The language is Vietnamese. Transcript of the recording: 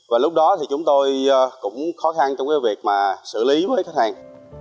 và lúc đó thì chúng tôi cũng khó khăn trong việc xử lý với khách hàng